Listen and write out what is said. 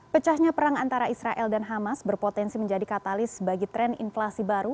pecahnya perang antara israel dan hamas berpotensi menjadi katalis bagi tren inflasi baru